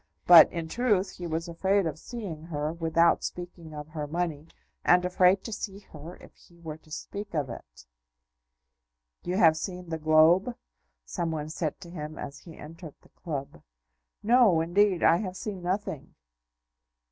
But, in truth, he was afraid of seeing her without speaking of her money, and afraid to see her if he were to speak of it. "You have seen the Globe?" someone said to him as he entered the club. "No, indeed; I have seen nothing."